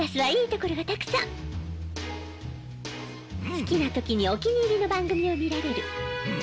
好きな時にお気に入りの番組を見られる。